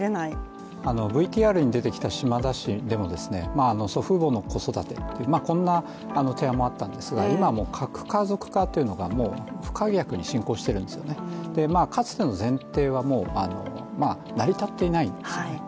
ＶＴＲに出てきた島田市でも祖父母の子育て、こんな提案もあったんですが、今、核家族化というのがもう不可逆に進行しているんですよね、かつての前提は成り立っていないんですよね。